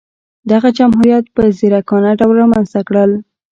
دغه جمهوریت په ځیرکانه ډول رامنځته کړل.